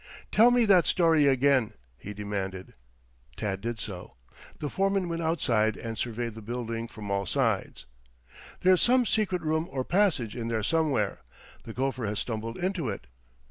"Tell me that story again," he demanded. Tad did so. The foreman went outside and surveyed the building from all sides. "There's some secret room or passage in there somewhere. The gopher has stumbled into it.